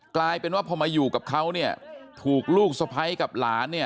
กลายเป็นว่าพอมาอยู่กับเขาเนี่ยถูกลูกสะพ้ายกับหลานเนี่ย